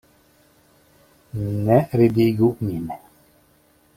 Ne ridigu min!